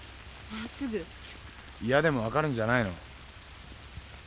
嫌でも分かるんじゃないの？